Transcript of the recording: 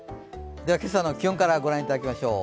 今朝の気温から御覧いただきましょう。